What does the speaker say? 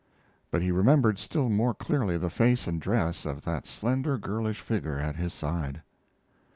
But he remembered still more clearly the face and dress of that slender girlish figure at his side.